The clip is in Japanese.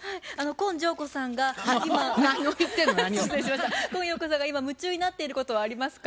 今陽子さんが今夢中になっていることはありますか？